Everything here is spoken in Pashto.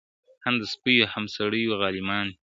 هم د سپيو هم سړيو غالمغال دئ `